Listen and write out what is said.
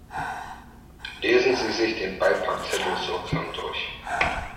Lesen Sie sich den Beipackzettel sorgsam durch.